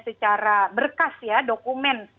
secara berkas ya dokumen